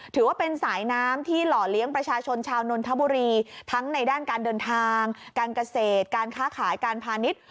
ถือว่าเป็นสายน้ำที่หล่อเลี้ยงประชาชนชาวนนทบุรีทั้งในด้านการเดินทางการเกษตรการค้าขายการพาณิชย์